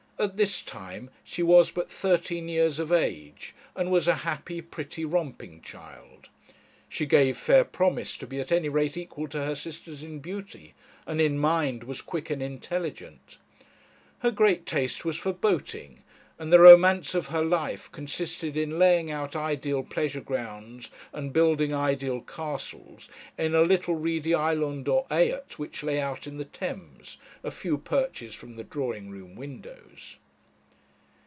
At this time she was but thirteen years of age, and was a happy, pretty, romping child. She gave fair promise to be at any rate equal to her sisters in beauty, and in mind was quick and intelligent. Her great taste was for boating, and the romance of her life consisted in laying out ideal pleasure grounds, and building ideal castles in a little reedy island or ait which lay out in the Thames, a few perches from the drawing room windows.